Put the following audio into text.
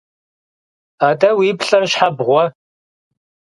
АтӀэ, уи плӀэр щхьэ бгъуэ?